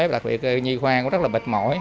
đặc biệt nhi khoa cũng rất là mệt mỏi